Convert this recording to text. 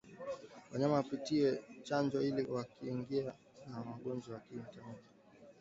Wanyama wapatiwe chanjo ili kuwakinga na ugonjwa wa kimeta